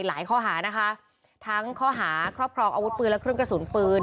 ข้อหานะคะทั้งข้อหาครอบครองอาวุธปืนและเครื่องกระสุนปืน